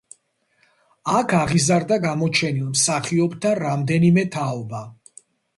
აქ აღიზარდა გამოჩენილ მსახიობთა რამდენიმე თაობა.